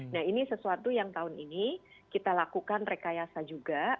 nah ini sesuatu yang tahun ini kita lakukan rekayasa juga